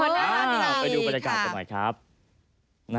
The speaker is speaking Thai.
อ๋อน่าจะดีครับอ๋อไปดูบรรยากาศกันใหม่ครับนะฮะ